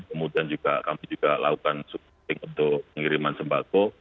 kemudian kami juga melakukan sukses untuk mengiriman sembako